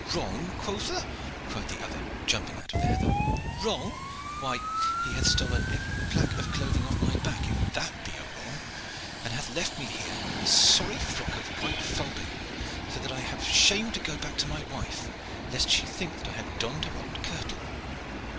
"Wrong, quotha?" cried the other, jumping out of the heather. "Wrong! why he hath stolen every plack of clothing off my back, if that be a wrong, and hath left me here in this sorry frock of white falding, so that I have shame to go back to my wife, lest she think that I have donned her old kirtle.